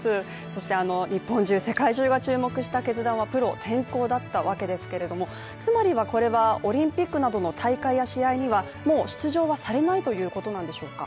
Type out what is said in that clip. そして、日本中、世界中が注目した決断はプロ転向だったわけですけれどもつまりはこれはオリンピックなどの大会や試合にはもう出場はされないということなんでしょうか。